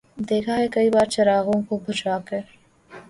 دیکھا ہے کئی بار چراغوں کو بجھا کر